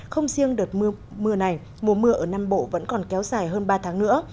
không riêng đợt mưa này mùa mưa ở nam bộ vẫn còn kéo dài hơn ba tháng nữa